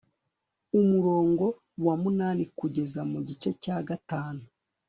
umurongo wa munani kugeza ku gice cya gatanu